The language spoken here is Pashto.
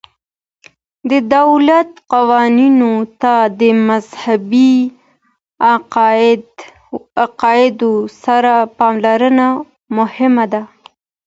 د دولت قوانینو ته د مذهبي عقایدو سره پاملرنه مهمه ده.